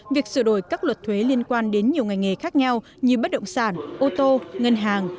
việc sửa đổi các luật thuế liên quan đến nhiều ngành nghề khác nhau như bất động sản ô tô ngân hàng